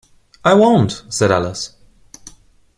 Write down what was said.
‘I won’t!’ said Alice.